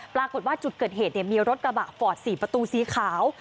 ปรากฏว่าจุดเกิดเหตุมีรถกระบะฟอร์ด๔ประตูสีขาว